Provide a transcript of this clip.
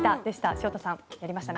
潮田さんやりましたね。